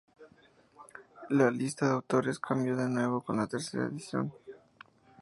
La lista de autores cambió de nuevo con la tercera edición.